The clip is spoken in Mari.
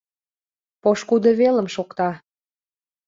Пошкудо велым шокта.